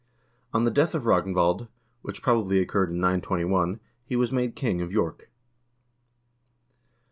On the death of Ragnvald, which probably occurred in 921, he was made king of York.